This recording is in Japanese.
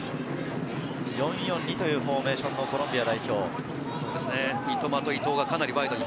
４−４−２というフォーメーションのコロンビア。